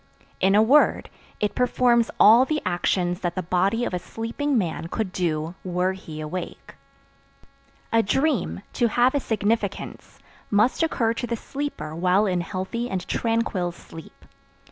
In a word, it performs all the actions that the body of a sleeping man could do were he awake. A dream, to have a significance, must occur to the sleeper while in healthy and tranquil sleep.